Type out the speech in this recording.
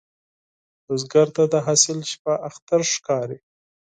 بزګر ته د حاصل شپه اختر ښکاري